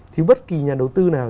thì bất kỳ nhà đầu tư nào